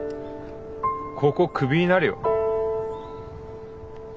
高校クビになるよ？